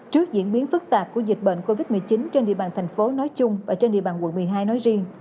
trước diễn biến phức tạp của dịch bệnh covid một mươi chín trên địa bàn thành phố nói chung và trên địa bàn quận một mươi hai nói riêng